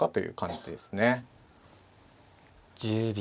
１０秒。